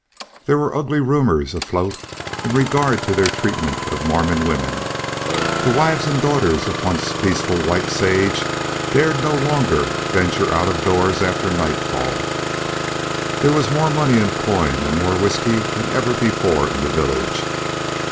There were ugly rumors afloat in regard to their treatment of Mormon women. The wives and daughters of once peaceful White Sage dared no longer venture out of doors after nightfall. There was more money in coin and more whiskey than ever before in the village.